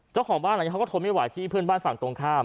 เจ้าของบ้านหลังนี้เขาก็ทนไม่ไหวที่เพื่อนบ้านฝั่งตรงข้าม